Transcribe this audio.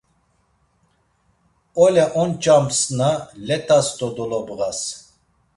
Ole onç̌amsna let̆as to dolobğas.